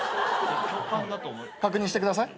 確認してください。